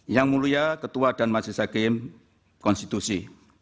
yang mulia ketua dan masyarakat sakim konstitusi